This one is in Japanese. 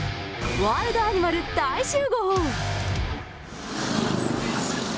ワールドアニマル大集合。